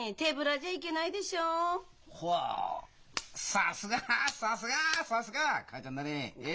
さすがさすがさすがかあちゃんだね。